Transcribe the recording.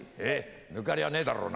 抜かりはねえだろうな？